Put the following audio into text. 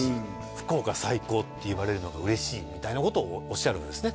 「福岡最高！」って言われるのが嬉しいみたいなことをおっしゃるんですね